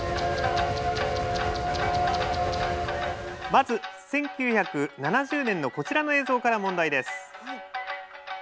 まず１９７０年のこちらの映像から問題です。